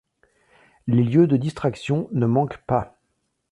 Les lieux de distraction ne manquent pas.